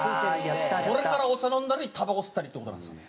それからお茶飲んだりたばこ吸ったりって事なんですよ。